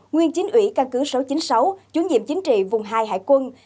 nguyên chính ủy căn cứ sáu trăm chín mươi sáu chủ nhiệm chính trị vùng hai hải quân